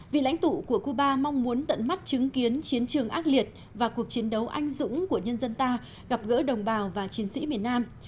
vị lãnh tụ của cuba mong muốn tận mắt chứng kiến chiến trường ác liệt và cuộc chiến đấu anh dũng của nhân dân ta gặp gỡ đồng bào và chiến sĩ miền nam